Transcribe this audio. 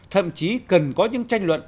thậm chí cần có những tranh luận